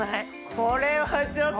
これはちょっと。